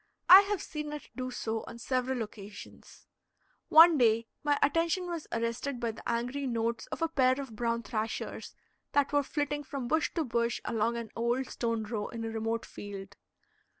I have seen it do so on several occasions. One day my attention was arrested by the angry notes of a pair of brown thrashers that were flitting from bush to bush along an old stone row in a remote field.